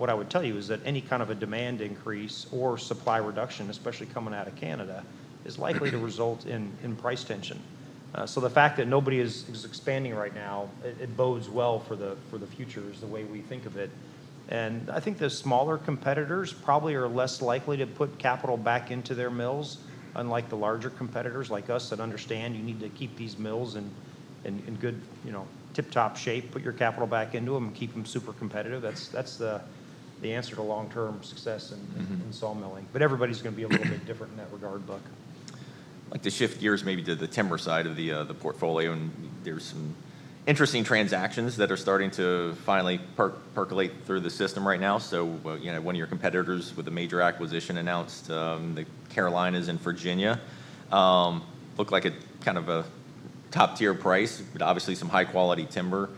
What I would tell you is that any kind of a demand increase or supply reduction, especially coming out of Canada, is likely to result in price tension. The fact that nobody is expanding right now bodes well for the future, is the way we think of it. I think the smaller competitors probably are less likely to put capital back into their mills, unlike the larger competitors like us that understand you need to keep these mills in good tip-top shape, put your capital back into them, and keep them super competitive. That is the answer to long-term success in sawmilling. Everybody is going to be a little bit different in that regard, Buck. I'd like to shift gears maybe to the timber side of the portfolio. There's some interesting transactions that are starting to finally percolate through the system right now. One of your competitors with a major acquisition announced, the Carolinas and Virginia, looked like a kind of a top-tier price, but obviously some high-quality timber.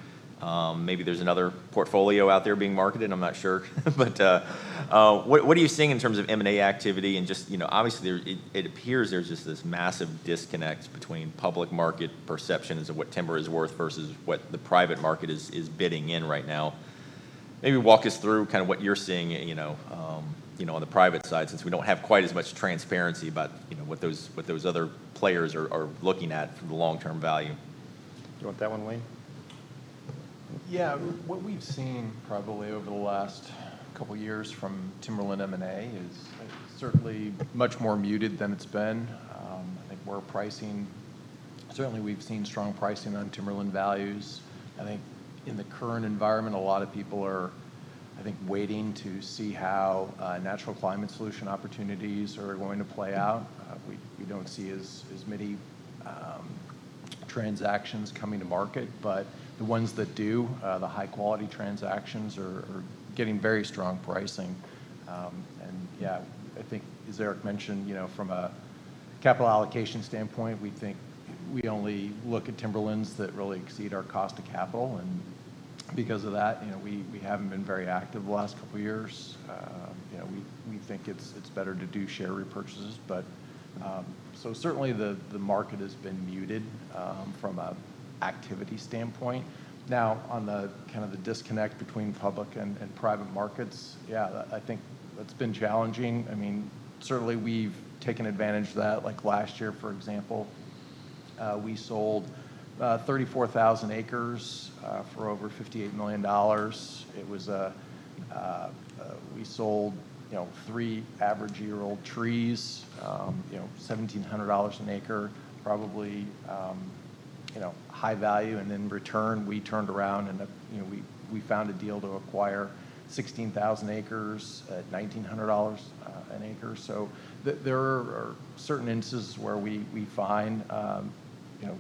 Maybe there's another portfolio out there being marketed. I'm not sure. What are you seeing in terms of M&A activity? Obviously, it appears there's just this massive disconnect between public market perceptions of what timber is worth versus what the private market is bidding in right now. Maybe walk us through kind of what you're seeing on the private side, since we don't have quite as much transparency about what those other players are looking at for the long-term value. Do you want that one, Wayne? Yeah. What we've seen probably over the last couple of years from timberland M&A is certainly much more muted than it's been. I think we're pricing, certainly we've seen strong pricing on timberland values. I think in the current environment, a lot of people are, I think, waiting to see how natural climate solution opportunities are going to play out. We don't see as many transactions coming to market. The ones that do, the high-quality transactions, are getting very strong pricing. Yeah, I think, as Eric mentioned, from a capital allocation standpoint, we think we only look at timberlands that really exceed our cost of capital. Because of that, we haven't been very active the last couple of years. We think it's better to do share repurchases. Certainly the market has been muted from an activity standpoint. Now, on the kind of the disconnect between public and private markets, yeah, I think that's been challenging. I mean, certainly we've taken advantage of that. Like last year, for example, we sold 34,000 acres for over $58 million. We sold three average-year-old trees, $1,700 an acre, probably high value. In return, we turned around and we found a deal to acquire 16,000 acres at $1,900 an acre. There are certain instances where we find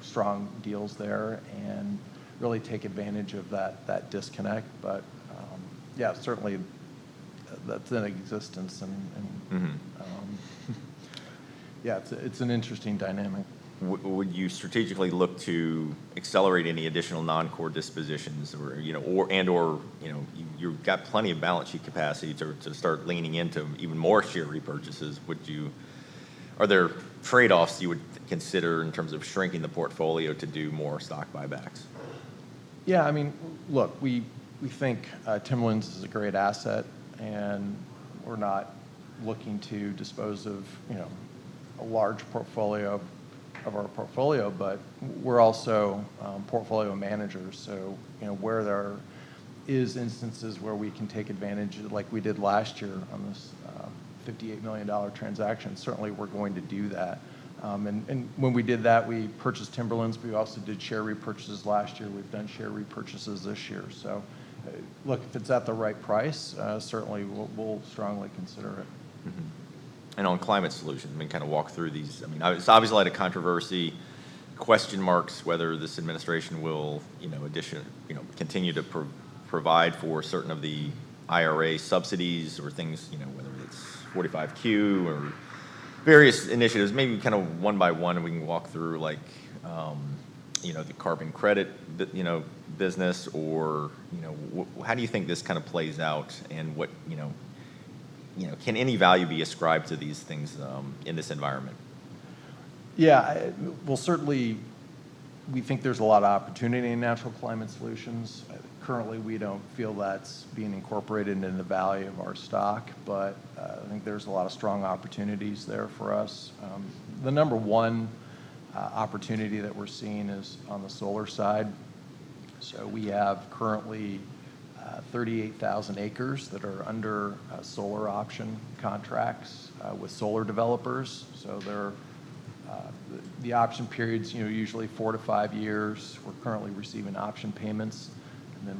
strong deals there and really take advantage of that disconnect. Yeah, certainly that's in existence. Yeah, it's an interesting dynamic. Would you strategically look to accelerate any additional non-core dispositions and/or you've got plenty of balance sheet capacity to start leaning into even more share repurchases? Are there trade-offs you would consider in terms of shrinking the portfolio to do more stock buybacks? Yeah. I mean, look, we think Timberlands is a great asset. And we're not looking to dispose of a large portfolio of our portfolio. But we're also portfolio managers. So where there are instances where we can take advantage, like we did last year on this $58 million transaction, certainly we're going to do that. And when we did that, we purchased Timberlands. We also did share repurchases last year. We've done share repurchases this year. So look, if it's at the right price, certainly we'll strongly consider it. On climate solutions, I mean, kind of walk through these. I mean, it's obviously a lot of controversy, question marks whether this administration will continue to provide for certain of the IRA subsidies or things, whether it's 45Q or various initiatives. Maybe kind of one by one, we can walk through the carbon credit business. How do you think this kind of plays out? And can any value be ascribed to these things in this environment? Yeah. Certainly we think there's a lot of opportunity in natural climate solutions. Currently, we don't feel that's being incorporated into the value of our stock. I think there's a lot of strong opportunities there for us. The number one opportunity that we're seeing is on the solar side. We have currently 38,000 acres that are under solar option contracts with solar developers. The option period is usually four to five years. We're currently receiving option payments.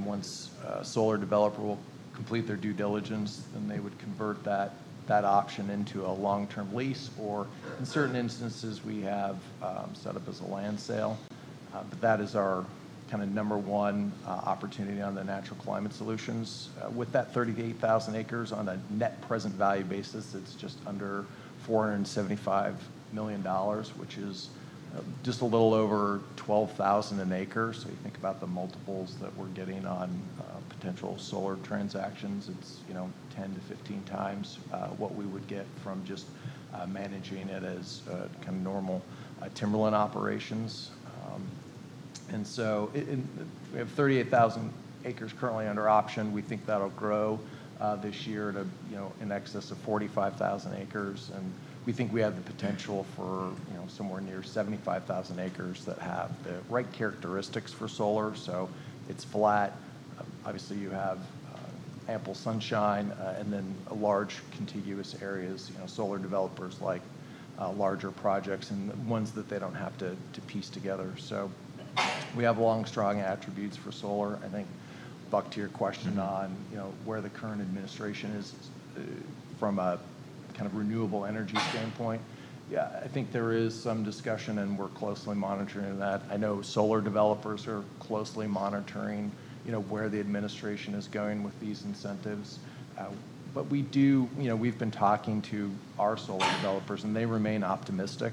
Once a solar developer will complete their due diligence, they would convert that option into a long-term lease. In certain instances, we have set up as a land sale. That is our kind of number one opportunity on the natural climate solutions. With that 38,000 acres on a net present value basis, it's just under $475 million, which is just a little over $12,000 an acre. You think about the multiples that we're getting on potential solar transactions. It's 10-15 times what we would get from just managing it as kind of normal timberland operations. We have 38,000 acres currently under option. We think that'll grow this year to in excess of 45,000 acres. We think we have the potential for somewhere near 75,000 acres that have the right characteristics for solar. It's flat. Obviously, you have ample sunshine and then large contiguous areas. Solar developers like larger projects and ones that they don't have to piece together. We have long, strong attributes for solar. I think, Buck, to your question on where the current administration is from a kind of renewable energy standpoint, yeah, I think there is some discussion, and we're closely monitoring that. I know solar developers are closely monitoring where the administration is going with these incentives. We've been talking to our solar developers, and they remain optimistic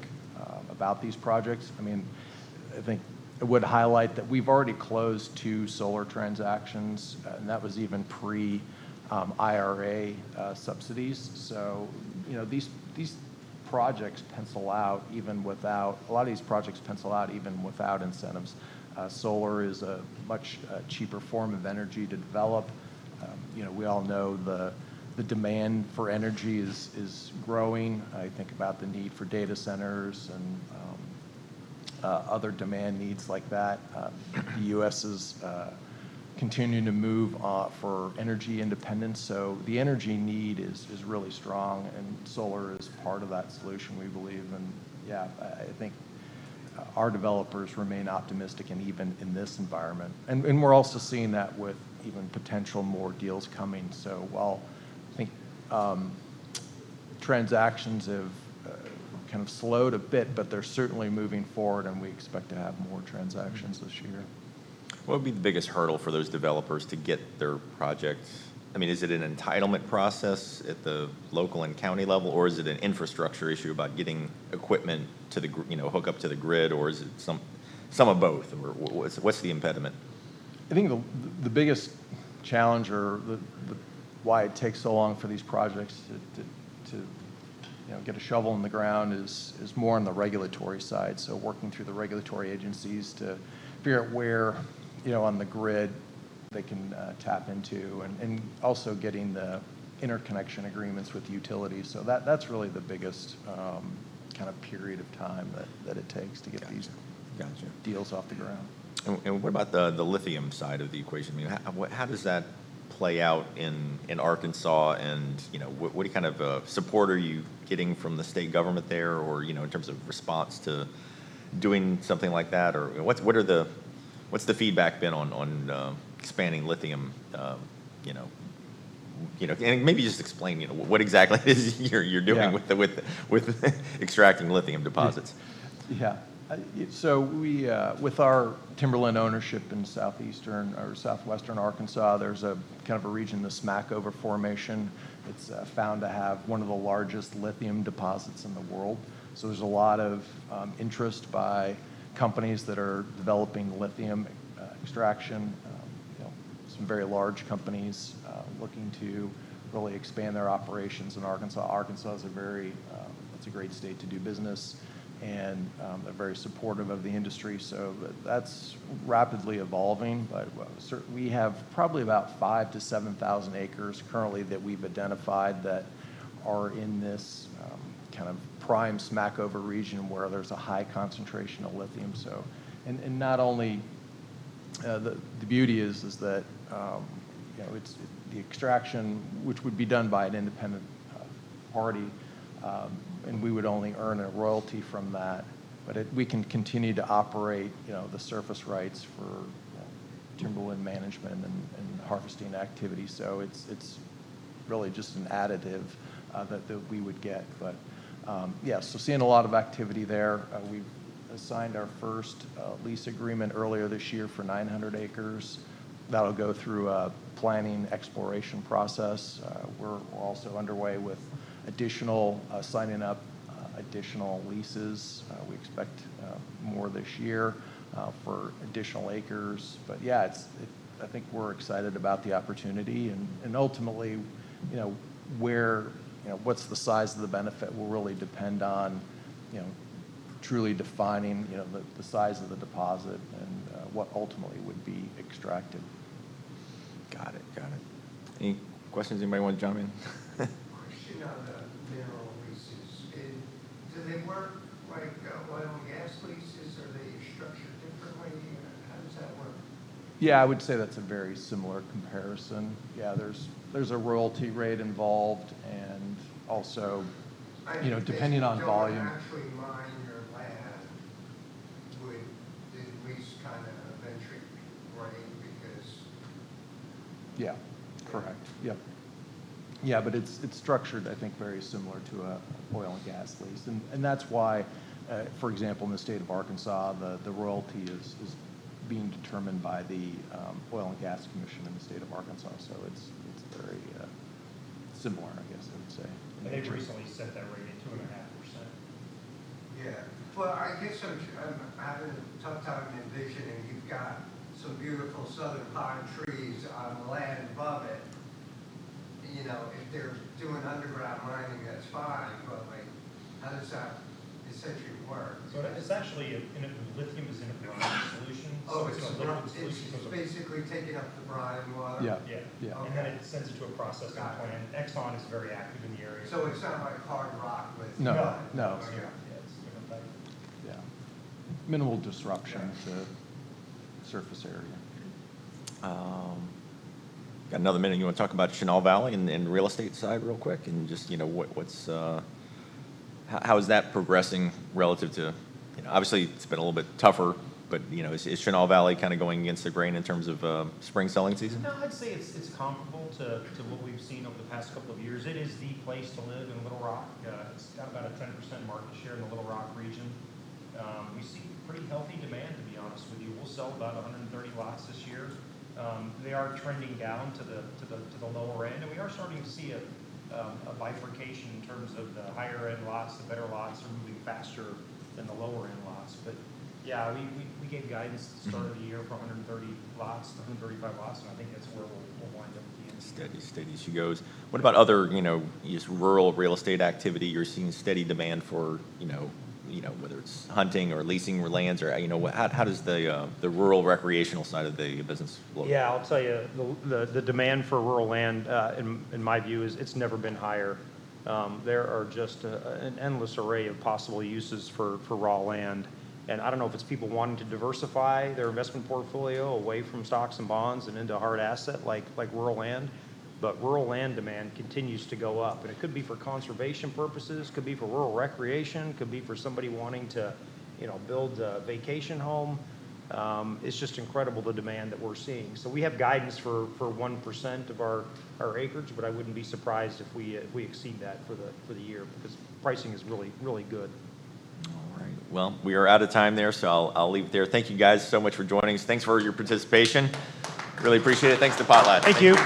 about these projects. I mean, I would highlight that we've already closed two solar transactions, and that was even pre-IRA subsidies. These projects pencil out even without incentives. Solar is a much cheaper form of energy to develop. We all know the demand for energy is growing. I think about the need for data centers and other demand needs like that. The U.S. is continuing to move for energy independence. The energy need is really strong. Solar is part of that solution, we believe. Yeah, I think our developers remain optimistic even in this environment. We are also seeing that with even potential more deals coming. While I think transactions have kind of slowed a bit, they are certainly moving forward, and we expect to have more transactions this year. What would be the biggest hurdle for those developers to get their projects? I mean, is it an entitlement process at the local and county level, or is it an infrastructure issue about getting equipment hooked up to the grid, or is it some of both? What's the impediment? I think the biggest challenge, or why it takes so long for these projects to get a shovel in the ground, is more on the regulatory side. Working through the regulatory agencies to figure out where on the grid they can tap into and also getting the interconnection agreements with utilities. That is really the biggest kind of period of time that it takes to get these deals off the ground. What about the lithium side of the equation? I mean, how does that play out in Arkansas? What kind of support are you getting from the state government there in terms of response to doing something like that? What's the feedback been on expanding lithium? Maybe just explain what exactly it is you're doing with extracting lithium deposits. Yeah. With our timberland ownership in southeastern or southwestern Arkansas, there's kind of a region, the Smackover Formation. It's found to have one of the largest lithium deposits in the world. There's a lot of interest by companies that are developing lithium extraction, some very large companies looking to really expand their operations in Arkansas. Arkansas is a very great state to do business, and they're very supportive of the industry. That's rapidly evolving. We have probably about 5,000-7,000 acres currently that we've identified that are in this kind of prime Smackover region where there's a high concentration of lithium. Not only the beauty is that the extraction, which would be done by an independent party, and we would only earn a royalty from that. We can continue to operate the surface rights for timberland management and harvesting activity. It's really just an additive that we would get. Yeah, seeing a lot of activity there. We assigned our first lease agreement earlier this year for 900 acres. That will go through a planning exploration process. We're also underway with signing up additional leases. We expect more this year for additional acres. Yeah, I think we're excited about the opportunity. Ultimately, the size of the benefit will really depend on truly defining the size of the deposit and what ultimately would be extracted. Got it. Got it. Any questions anybody want to jump in? Question on the mineral leases. Do they work like oil and gas leases, or are they structured differently? How does that work? Yeah, I would say that's a very similar comparison. Yeah, there's a royalty rate involved. And also, depending on volume. If you don't actually mine your land, would the lease kind of venture to grade because? Yeah. Correct. Yep. Yeah. It's structured, I think, very similar to an oil and gas lease. That's why, for example, in the state of Arkansas, the royalty is being determined by the Oil and Gas Commission in the state of Arkansas. It's very similar, I guess I would say. They've recently set that rate at 2.5%. Yeah. I guess I'm having a tough time envisioning. You've got some beautiful southern pine trees on the land above it. If they're doing underground mining, that's fine. How does that essentially work? It's actually lithium is in a brine solution. Oh, it's a liquid solution. It's basically taking up the brine water? Yeah. Yeah. It sends it to a processing point. Exxon is very active in the area. It's not like hard rock with. No. No. No. No. Yeah. Yeah. Minimal disruption to surface area. Got another minute. You want to talk about Chenal Valley and the real estate side real quick and just how is that progressing relative to, obviously, it's been a little bit tougher. Is Chenal Valley kind of going against the grain in terms of spring selling season? No, I'd say it's comparable to what we've seen over the past couple of years. It is the place to live in Little Rock. It's got about a 10% market share in the Little Rock region. We see pretty healthy demand, to be honest with you. We'll sell about 130 lots this year. They are trending down to the lower end. We are starting to see a bifurcation in terms of the higher-end lots. The better lots are moving faster than the lower-end lots. Yeah, we gave guidance at the start of the year for 130 lots, 135 lots. I think that's where we'll wind up at the end. Steady as she goes. What about other just rural real estate activity? You're seeing steady demand for whether it's hunting or leasing lands. How does the rural recreational side of the business look? Yeah. I'll tell you, the demand for rural land, in my view, it's never been higher. There are just an endless array of possible uses for raw land. I don't know if it's people wanting to diversify their investment portfolio away from stocks and bonds and into a hard asset like rural land. Rural land demand continues to go up. It could be for conservation purposes. It could be for rural recreation. It could be for somebody wanting to build a vacation home. It's just incredible the demand that we're seeing. We have guidance for 1% of our acreage. I wouldn't be surprised if we exceed that for the year because pricing is really good. All right. We are out of time there. I will leave it there. Thank you, guys, so much for joining us. Thanks for your participation. Really appreciate it. Thanks to PotlatchDeltic. Thank you.